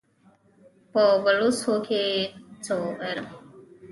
په بلوڅي يې څه وويل!